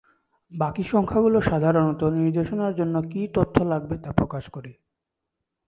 বাকি সংখ্যাগুলো সাধারণত নির্দেশনার জন্য কি তথ্য লাগবে তা প্রকাশ করে।